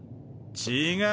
違う。